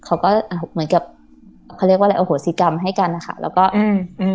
เขาก็อ่าเหมือนกับเขาเรียกว่าอะไรอโหสิกรรมให้กันนะคะแล้วก็อืมอืม